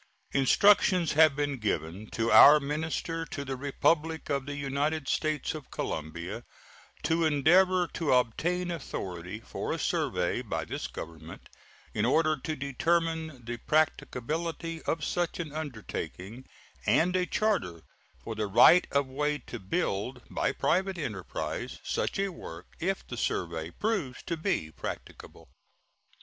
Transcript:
Instructions have been given to our minister to the Republic of the United States of Colombia to endeavor to obtain authority for a survey by this Government, in order to determine the practicability of such an undertaking, and a charter for the right of way to build, by private enterprise, such a work, if the survey proves it to be practicable.